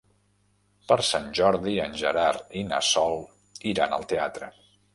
Per Sant Jordi en Gerard i na Sol iran al teatre.